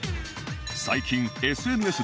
最近 ＳＮＳ で